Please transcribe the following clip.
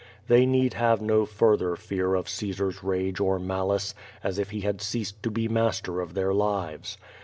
They need have no further fear of Caesar's rage or mal ice, as if he had ceased to be master of their lives.